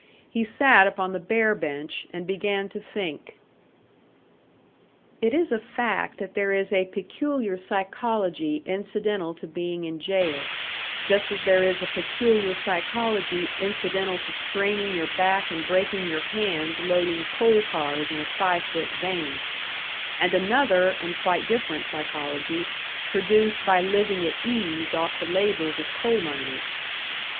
He sat upon the bare bench, and began to think. It is a fact that there is a peculiar psychology incidental to being in jail; just as there is a peculiar psychology incidental to straining your back and breaking your hands loading coal cars in a five foot vein; and another, and quite different psychology, produced by living at ease off the labours of coal miners.